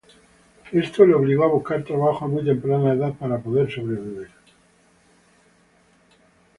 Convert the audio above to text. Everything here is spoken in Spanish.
Esto la obligó a buscar trabajo a muy temprana edad para poder vivir.